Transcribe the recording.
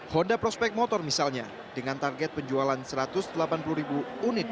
honda prospek motor misalnya dengan target penjualan satu ratus delapan puluh ribu unit